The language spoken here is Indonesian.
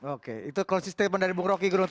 oke itu konsisten dari bung roky gurung